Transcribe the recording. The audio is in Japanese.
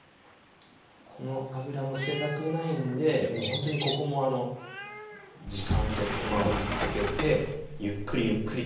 この油も捨てたくないんでほんとにここも時間と手間をかけてゆっくりゆっくりと。